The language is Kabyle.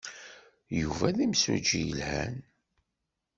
Yuba d imsujji yelhan.